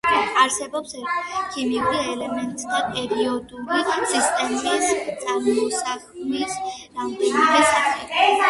არსებობს ქიმიურ ელემენტთა პერიოდული სისტემის წარმოსახვის რამდენიმე სახე.